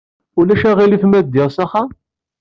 Ulac aɣilif ma ddiɣ s axxam?